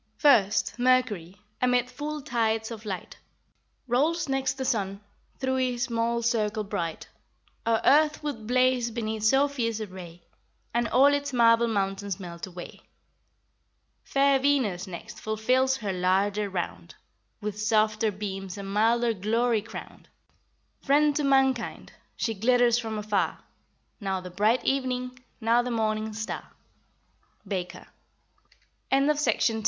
First, Mercury, amid full tides of light, Rolls next the sun, through his small circle bright; Our earth would blaze beneath so fierce a ray, And all its marble mountains melt away. Fair Venus next fulfills her larger round, With softer beams and milder glory crowned; Friend to mankind, she glitters from afar, Now the bright evening, now the morning